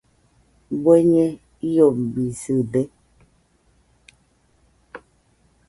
¿Bueñe iobisɨde?